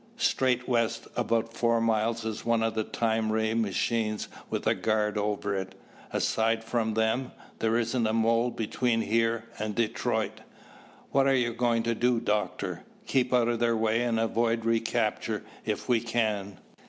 Straight west about four miles is one of the time ray machines with a guard over it. Aside from them, there isn't a mole between here and Detroit." "What are we going to do, Doctor?" "Keep out of their way and avoid recapture if we can.